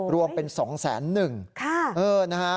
รวมเป็น๒๐๑๐๐๐นะฮะ